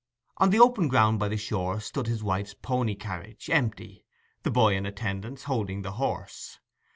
On the open ground by the shore stood his wife's pony carriage, empty, the boy in attendance holding the horse.